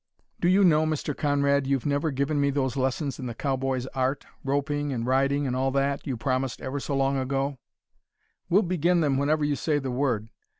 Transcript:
Do you know, Mr. Conrad, you've never given me those lessons in the cowboy's art, roping and riding and all that, you promised ever so long ago." "We'll begin them whenever you say the word.